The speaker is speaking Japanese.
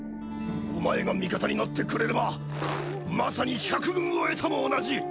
お前が味方になってくれればまさに百軍を得たも同じ！